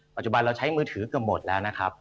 ปัจจุบันเราใช้มือถือเกือบหมดแล้วนะครับ